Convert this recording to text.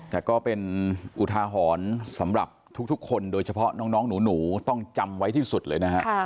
แต่ก็เป็นอุทาหรณ์สำหรับทุกคนโดยเฉพาะน้องหนูต้องจำไว้ที่สุดเลยนะฮะ